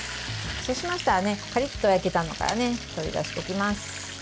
そうしましたらカリッと焼けたものから取り出していきます。